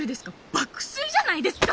爆睡じゃないですか！